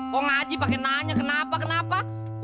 kok ngaji pakai nanya kenapa kenapa